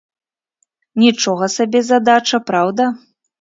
Нічога сабе задача, праўда?